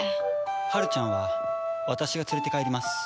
はるちゃんは私が連れて帰ります。